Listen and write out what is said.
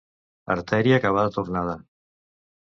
Artèria que va de tornada.